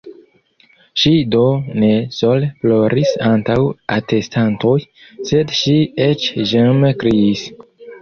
Ŝi do ne sole ploris antaŭ atestantoj, sed ŝi eĉ ĝeme kriis.